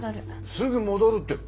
すぐ戻るって。